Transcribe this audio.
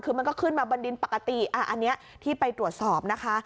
คือมันก็ขึ้นมาบนดินปกติอันนี้ที่ไปตรวจสอบนะคะ